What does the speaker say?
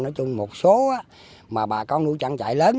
nói chung một số mà bà con nuôi chăn chạy lớn